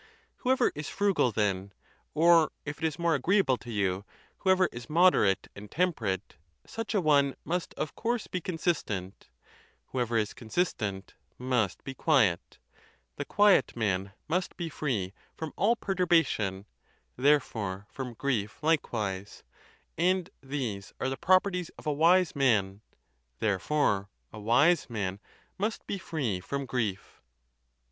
Whoever is frugal, then, or, if it is more agreeable to you, whoever is moderate and temperate, such a one must of course be consistent ; whoever is consistent, must be quiet; the quiet man must be free from all per turbation, therefore from grief likewise: and these are the properties of a wise man; therefore a wise man must be free from grief.